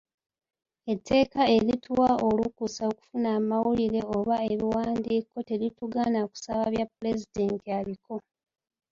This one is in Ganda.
Etteeka erituwa olukusa okufuna amawulire oba ebiwandiiko teritugaana kusaba bya Pulezidenti aliko.